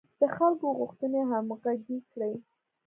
د خلکو غوښتنې همغږې کړي.